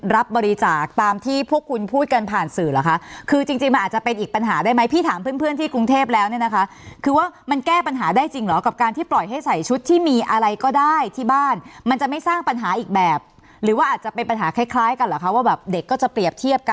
รับบริจาคตามที่พวกคุณพูดกันผ่านสื่อเหรอคะคือจริงจริงมันอาจจะเป็นอีกปัญหาได้ไหมพี่ถามเพื่อนเพื่อนที่กรุงเทพแล้วเนี่ยนะคะคือว่ามันแก้ปัญหาได้จริงเหรอกับการที่ปล่อยให้ใส่ชุดที่มีอะไรก็ได้ที่บ้านมันจะไม่สร้างปัญหาอีกแบบหรือว่าอาจจะเป็นปัญหาคล้ายคล้ายกันเหรอคะว่าแบบเด็กก็จะเปรียบเทียบกัน